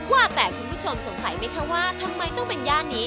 ว่าแต่คุณผู้ชมสงสัยไหมคะว่าทำไมต้องเป็นย่านนี้